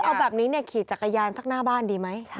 เอาแบบนี้ขี่จักรยานสักหน้าบ้านดีไหม